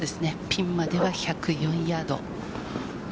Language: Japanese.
ピンまでは１０４ヤード。